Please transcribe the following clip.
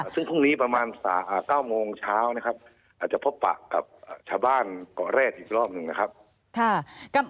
ซึ่งพรุ่งนี้ประมาณ๙โมงเช้านะครับอาจจะพบปะกับชาวบ้านเกาะแรดอีกรอบหนึ่งนะครับ